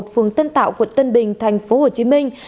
phường tân tạo quận tân bình thành phố hồ chí minh